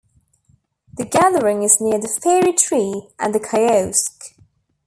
The gathering is near the Fairy Tree and the kiosk.